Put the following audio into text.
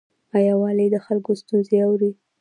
آیا والي د خلکو ستونزې اوري؟